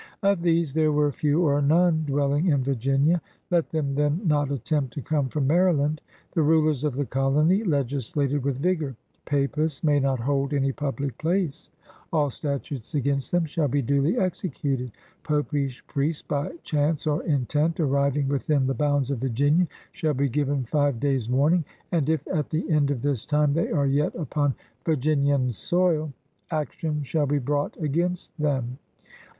Of these there Were few or none dwelling in Virginia. Let them then not attempt to come from Mary land! The rulers of the colony legislated with vigor: papists may not hold any public place; all statutes against them shall be duly executed; popish priests by chance or intent arriving within the boimds of Virginia shall be given five days' warning, and, if at the end of this time they are yet upon Virginian soil, action shall be brought against them.